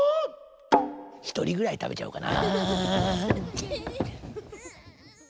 ひとりぐらいたべちゃおうかな。